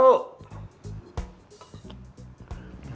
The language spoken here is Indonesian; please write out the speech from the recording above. gua enggak tau